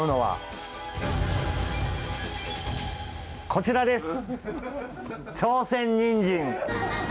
こちらです。